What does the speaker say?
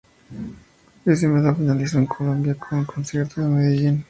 Ese mes lo finalizó en Colombia con un concierto en Medellín.